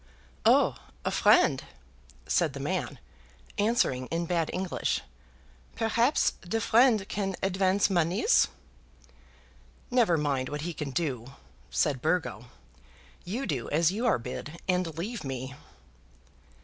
"Oh! a friend," said the man, answering in bad English. "Perhaps de friend can advance moneys?" "Never mind what he can do," said Burgo. "You do as you are bid, and leave me."